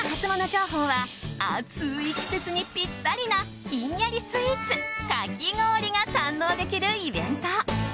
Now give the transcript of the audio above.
情報は暑い季節にピッタリなひんやりスイーツかき氷が堪能できるイベント。